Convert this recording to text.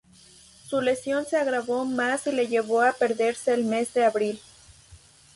Su lesión se agravó más y le llevó a perderse el mes de Abril.